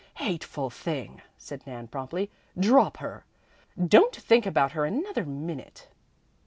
"Hateful thing!" said Nan promptly. "Drop her. Don't think about her another minute."